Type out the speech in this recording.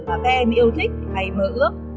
mà các em yêu thích hay mơ ước